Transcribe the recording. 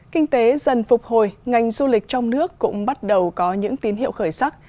kinh tế dần phục hồi ngành du lịch trong nước cũng bắt đầu có những tín hiệu khởi sắc